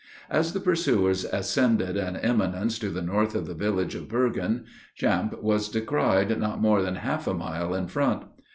As the pursuers ascended an eminence to the north of the village of Bergen, Champe was descried not more than half a mile in front.